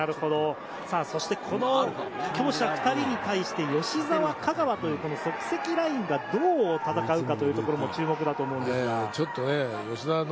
そして強者２人に対して吉澤、香川という即席ラインがどう戦うかというところも注目だと思います。